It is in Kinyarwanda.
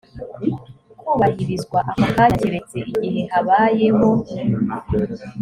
kubahirizwa ako kanya keretse igihe habayeho